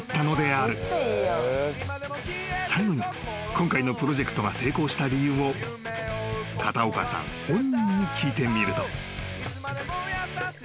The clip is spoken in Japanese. ［最後に今回のプロジェクトが成功した理由を片岡さん本人に聞いてみると］